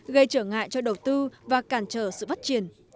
gây trở ngại cho đầu tư và cản trở sự phát triển